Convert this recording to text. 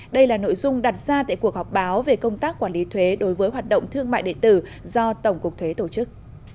đây là nội dung đặt ra tại cuộc họp báo về công tác quản lý thuế đối với hoạt động thương mại điện tử do tổng cục thuế tổ chức